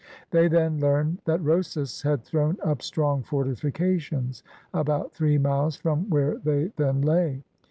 They then learned that Rosas had thrown up strong fortifications about three miles from where they then lay.